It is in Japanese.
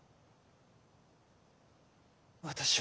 私は。